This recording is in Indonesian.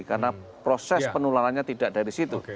karena proses penularannya tidak dari situ